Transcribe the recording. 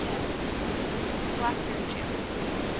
=Blackberry Jam.